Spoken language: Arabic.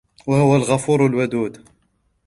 وَهُوَ الْغَفُورُ الْوَدُودُ